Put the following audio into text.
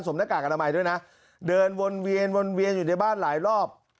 หน้ากากอนามัยด้วยนะเดินวนเวียนวนเวียนอยู่ในบ้านหลายรอบ